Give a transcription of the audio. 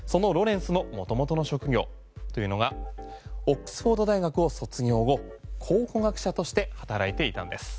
そのロレンスの元々の職業というのがオックスフォード大学を卒業し古学者として働いていたんです。